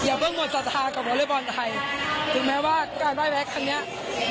อย่าเพิ่งหมดสัตว์ภาคกับวอลลิบอลไทยถึงแม้ว่าการบ้ายแพ้ครั้งเนี้ย